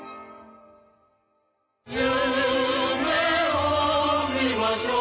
「夢を見ましょう」